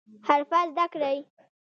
حرفه زده کړئ